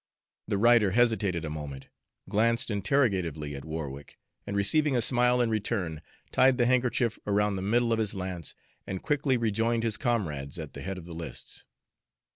The rider hesitated a moment, glanced interrogatively at Warwick, and receiving a smile in return, tied the handkerchief around the middle of his lance and quickly rejoined his comrades at the head of the lists.